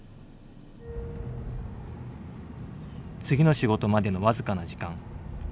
次の仕事までの僅かな時間。